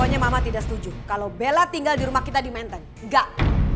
pokoknya mama tidak setuju kalau bella tinggal di rumah kita di menteng enggak